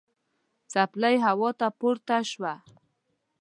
څپلۍ هوا ته پورته شوه.